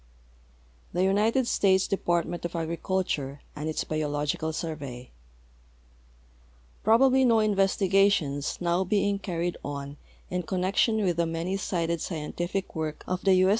THE UNITED STATES DEPARTMENT OF AGRICULTURE AND ITS BIOLOGICAL SURVEY Probably no investigations now being carried on in connec tion with the many sided scientific work of the U. S.